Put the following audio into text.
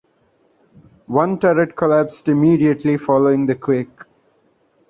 One turret collapsed immediately following the quake.